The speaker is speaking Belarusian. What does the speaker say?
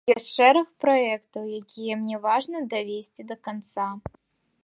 Ёсць шэраг праектаў, якія мне важна давесці да канца.